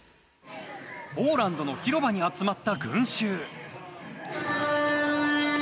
ポーランドの広場に集まった群衆。